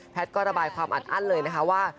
ก็ระบายความอัดอั้นเลยนะคะว่า